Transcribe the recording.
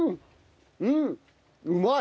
うんうまい！